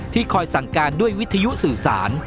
คอยสั่งการด้วยวิทยุสื่อสาร